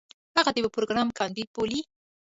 هغه د يو پروګرام کانديد بولي.